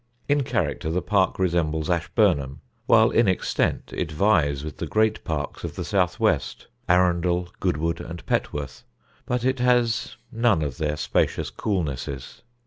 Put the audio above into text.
In character the park resembles Ashburnham, while in extent it vies with the great parks of the south west, Arundel, Goodwood and Petworth; but it has none of their spacious coolnesses.